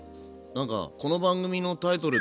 なんかこの番組のタイトル